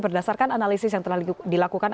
berdasarkan analisis yang telah dilakukan